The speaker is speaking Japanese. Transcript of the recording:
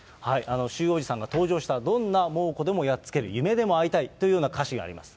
習おじさんが登場した、どんな猛虎でもやっつける、夢でも会いたいというような歌詞があります。